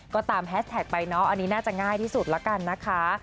ก็ตามแฮสแท็กไปเนาะอันนี้น่าจะง่ายที่สุดแล้วกันนะคะ